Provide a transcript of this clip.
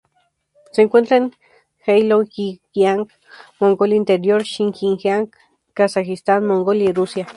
Se encuentra en Heilongjiang, Mongolia Interior, Xinjiang, Kazajistán, Mongolia y Rusia.